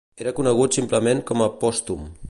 Era conegut simplement com a Pòstum.